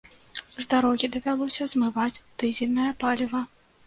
З дарогі давялося змываць дызельнае паліва.